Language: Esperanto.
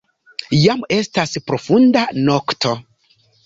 Jam estas profunda nokto.